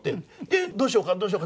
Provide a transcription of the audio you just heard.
「どうしようかどうしようか」。